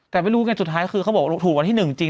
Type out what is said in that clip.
แต่ไม่รู้ไงสุดท้ายคือเขาบอกถูกวันที่๑จริง